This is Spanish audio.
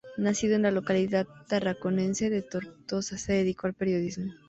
Nacido en la localidad tarraconense de Tortosa, se dedicó al periodismo.